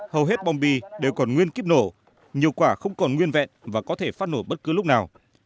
hầu hết bom bi đều còn nguyên kíp nổ nhiều quả không còn nguyên vẹn và có thể phát nổ bất cứ lúc nào